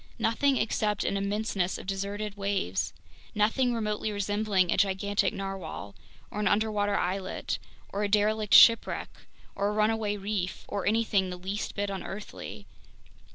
Nothing except an immenseness of deserted waves! Nothing remotely resembling a gigantic narwhale, or an underwater islet, or a derelict shipwreck, or a runaway reef, or anything the least bit unearthly!